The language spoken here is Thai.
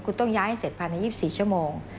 คุณต้องย้ายให้เสร็จภายใน๒๔ชั่วโมง